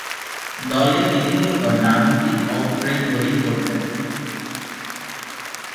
দলে তিনি মূলতঃ ডানহাতি অফ-ব্রেক বোলিং করতেন।